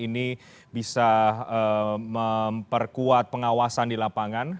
ini bisa memperkuat pengawasan di lapangan